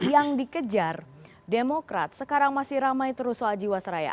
yang dikejar demokrat sekarang masih ramai terus soal jiwasraya